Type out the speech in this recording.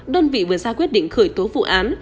đơn vị vừa ra quyết định khởi tố vụ án